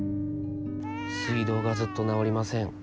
「水道がずっと直りません。